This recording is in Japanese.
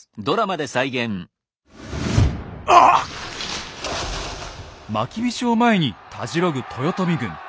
まきびしを前にたじろぐ豊臣軍。